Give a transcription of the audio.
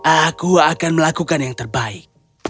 aku akan melakukan yang terbaik